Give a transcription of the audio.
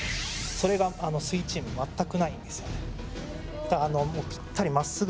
それがすイチーム全くないんですよ。